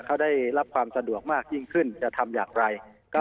เขาได้รับความสะดวกมากยิ่งขึ้นจะทำอย่างไร